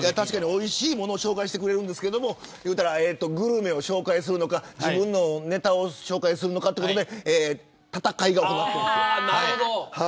おいしいものを紹介してくれるんですけどグルメを紹介するのか自分のネタを紹介するのかということで戦いが起きてます。